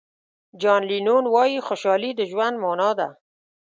جان لینون وایي خوشحالي د ژوند معنا ده.